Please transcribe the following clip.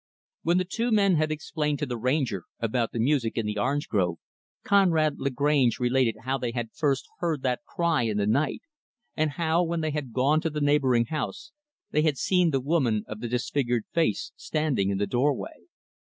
When the two men had explained to the Ranger about the music in the orange grove, Conrad Lagrange related how they had first heard that cry in the night; and how, when they had gone to the neighboring house, they had seen the woman of the disfigured face standing in the doorway.